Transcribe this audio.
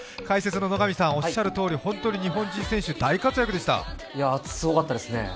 解説の野上さんおっしゃるとおり、日本人選手すごかったですね。